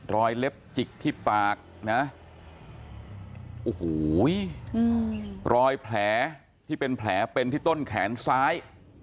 เล็บจิกที่ปากนะโอ้โหรอยแผลที่เป็นแผลเป็นที่ต้นแขนซ้าย